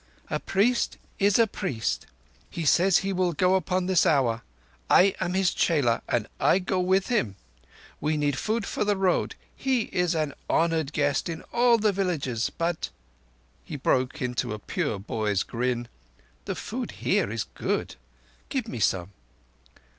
"A priest is a priest. He says he will go upon this hour. I am his chela, and I go with him. We need food for the Road. He is an honoured guest in all the villages, but"—he broke into a pure boy's grin—"the food here is good. Give me some."